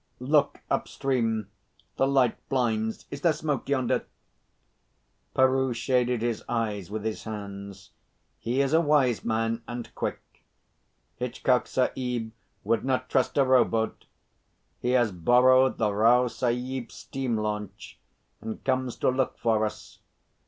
"Look up stream. The light blinds. Is there smoke yonder?" Peroo shaded his eyes with his hands. "He is a wise man and quick. Hitchcock Sahib would not trust a rowboat. He has borrowed the Rao Sahib's steam launch, and comes to look for us.